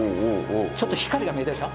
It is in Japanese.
ちょっと光が見えたでしょ？